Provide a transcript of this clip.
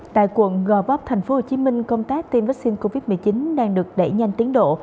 tại quận gò vấp tp hcm công tác tiêm vaccine covid một mươi chín đang được đẩy nhanh tiến độ